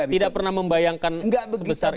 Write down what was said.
tidak pernah membayangkan sebesar